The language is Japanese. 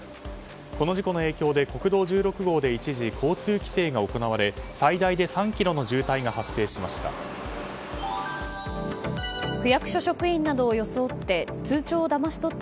この事故の影響で国道１６号で一時交通規制が行われ最大で３ｋｍの渋滞が発生しました。